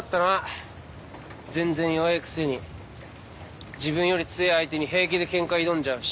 全然弱えくせに自分より強え相手に平気でケンカ挑んじゃうし。